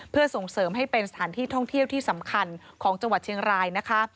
เพื่อส่งเสริมให้เป็นสถานที่ท่องเที่ยวที่สำคัญของจังหวัดเชียงรายนะคะ